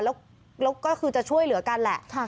แล้วก็คือจะช่วยเหลือกันแหละ